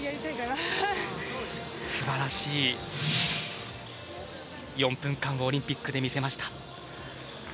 素晴らしい４分間をオリンピックで見せました。